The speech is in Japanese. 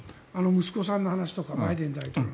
息子さんの話とかバイデン大統領の。